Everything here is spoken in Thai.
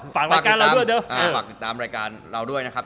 ฝากตามรายการเราด้วยนะครับ